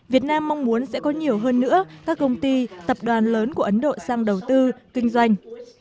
việt nam mong muốn sẽ có nhiều hơn nữa các công ty tập đoàn lớn của ấn độ sang đầu tư kinh doanh